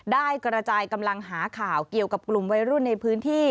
กระจายกำลังหาข่าวเกี่ยวกับกลุ่มวัยรุ่นในพื้นที่